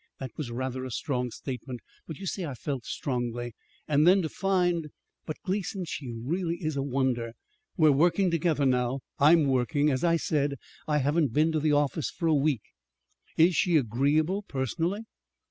That was rather a strong statement. But you see I felt strongly. And then to find But, Gleason, she really is a wonder. We're working together now I'm working. As I said, I haven't been to the office for a week." "Is she agreeable personally?"